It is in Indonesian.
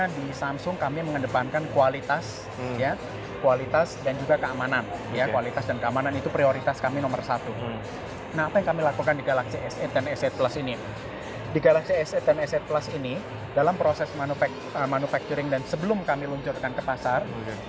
di galaxy s delapan dan s delapan plus ini dalam proses manufacturing dan sebelum kami luncurkan ke pasar